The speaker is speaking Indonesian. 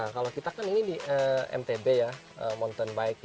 kalau kita kan ini mtb mountain bike